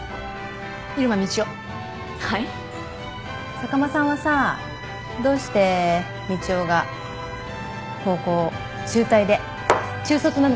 坂間さんはさどうしてみちおが高校中退で中卒なのか知ってる？